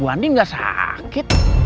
bu andi gak sakit